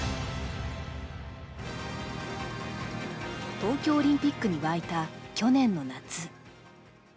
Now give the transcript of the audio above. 東京オリンピックに沸いた去年の夏。